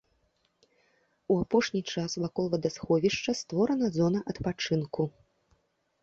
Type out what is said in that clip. У апошні час вакол вадасховішча створана зона адпачынку.